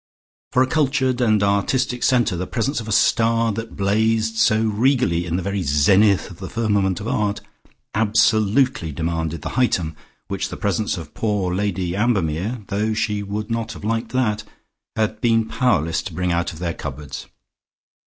For a cultured and artistic centre the presence of a star that blazed so regally in the very zenith of the firmament of art absolutely demanded the Hightum which the presence of poor Lady Ambermere (though she would not have liked that) had been powerless to bring out of their cupboards.